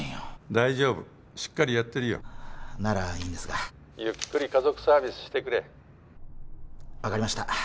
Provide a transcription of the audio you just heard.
大丈夫しっかりやってるよならいいんですが☎ゆっくり家族サービスしてくれ分かりました